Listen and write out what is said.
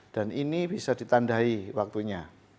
dan ini bisa ditandai waktunya